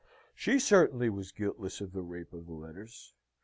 She certainly was guiltless of the rape of the letters.